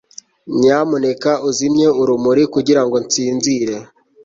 Nyamuneka uzimye urumuri kugirango nsinzire